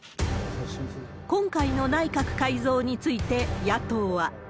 今回の内閣改造について、野党は。